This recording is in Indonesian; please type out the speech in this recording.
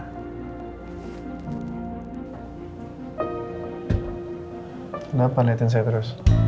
kenapa ngeliatin saya terus